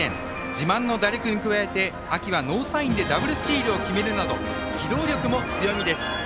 自慢の打力に加えて秋はノーサインでダブルスチールを決めるなど機動力も強みです。